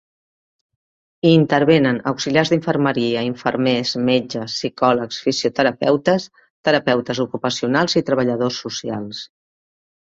Hi intervenen: auxiliars d'infermeria, infermers, metges, psicòlegs, fisioterapeutes, terapeutes ocupacionals i treballadors socials.